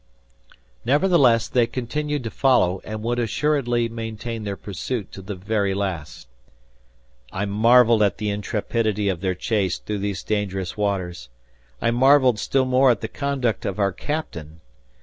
Nevertheless, they continued to follow, and would assuredly maintain their pursuit to the very last. I marveled at the intrepidity of their chase through these dangerous waters. I marveled still more at the conduct of our captain.